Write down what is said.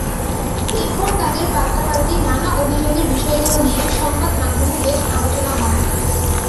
এরপর তাঁদের পাল্টাপাল্টি নানা অভিযোগের বিষয়গুলো নিয়ে সংবাদমাধ্যমে বেশ আলোচনা হয়।